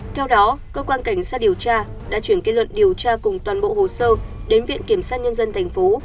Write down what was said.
theo đó cơ quan cảnh sát điều tra đã chuyển kết luận điều tra cùng toàn bộ hồ sơ đến viện kiểm sát nhân dân thành phố